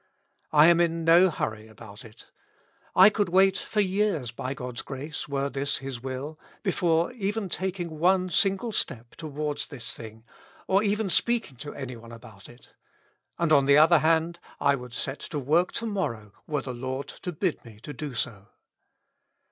I am in no hurry about it. I could wait for years, by God's grace, were this His will, before even takiug one single step towards this thing, or even speaking to any one about it ; and, on the other hand, I would set to work to morrow, were the Lord to bid me do so.